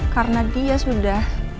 karena dia sudah